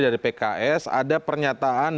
dari pks ada pernyataan